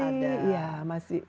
masih ya masih